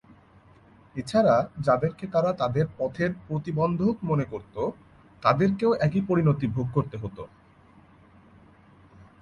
এছাড়া যাদেরকে তারা তাদের পথের প্রতিবন্ধক মনে করত, তাদেরকেও একই পরিণতি ভোগ করতে হত।